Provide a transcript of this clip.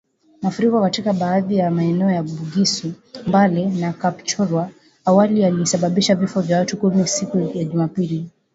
Mafuriko katika baadhi ya maeneo ya Bugisu, Mbale na Kapchorwa awali yalisababisha vifo vya watu kumi siku ya Jumapili